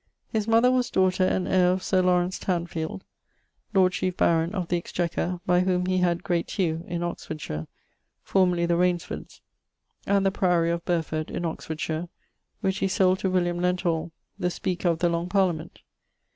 His mother was daughter and heir of Sir Tanfield, Lord Chief Baron of the Exchequer, by whom he had Great Tue, in Oxfordshire (formerly the Rainesfords), and the Priory of Burford, in Oxfordshire, which he sold to Lenthall, the Speaker of the Long Parliament.